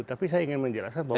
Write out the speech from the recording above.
tapi saya ingin menjelaskan bahwa